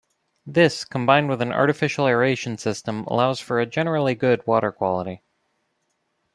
This combined with an artificial aeration system allows for a generally good water quality.